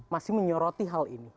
masih menyoroti hal ini